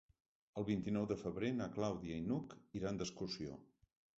El vint-i-nou de febrer na Clàudia i n'Hug iran d'excursió.